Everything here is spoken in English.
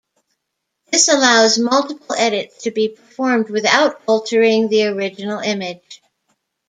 This allows multiple edits to be performed without altering the original image.